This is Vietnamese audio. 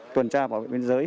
tuần tra bảo vệ biên giới